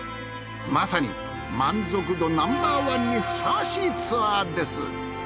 まさに満足度Ｎｏ．１にふさわしいツアーです